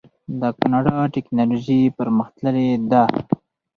د کاناډا ټیکنالوژي پرمختللې ده.